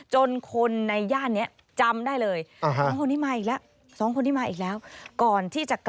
จนคนในย่านจะจำได้เลยคนอีกแล้วก่อนที่จะกลับไป